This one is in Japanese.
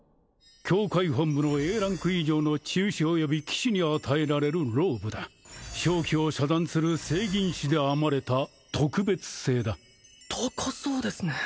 教会本部のＡランク以上の治癒士および騎士に与えられるローブだ瘴気を遮断する聖銀糸で編まれた特別製だ高そうですね